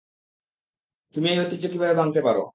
তুমি এই ঐতিহ্য কীভাবে ভাঙতে পারো?